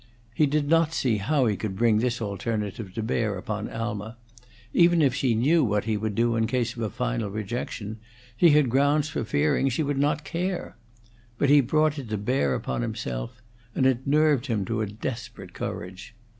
He did not see how he could bring this alternative to bear upon Alma; even if she knew what he would do in case of a final rejection, he had grounds for fearing she would not care; but he brought it to bear upon himself, and it nerved him to a desperate courage.